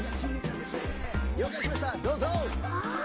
どうぞ！